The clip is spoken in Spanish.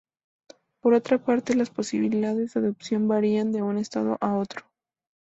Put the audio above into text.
Por otra parte, las posibilidades de adopción varían de un estado a otro.